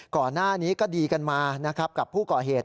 ก่อนหน้านี้ก็ดีกันมานะครับกับผู้ก่อเหตุ